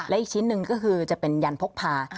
และอีกชิ้นหนึ่งก็คือจะเป็นยันพกพา